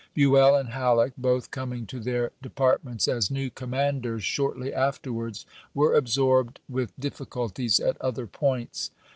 Buell and Halleck, both coming to their depart ments as new commanders shortly afterwards, were absorbed with difficulties at other points.